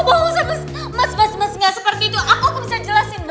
mas mas mas mas gak seperti itu aku bisa jelasin